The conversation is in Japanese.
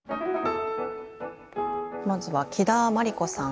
まずは木田真理子さん。